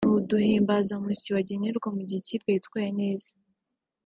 n’uduhimbazamusyi bagenerwa mu gihe ikipe yitwaye neza